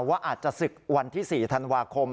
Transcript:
ว่าอาจจะศึกวันที่๔ธันวาคม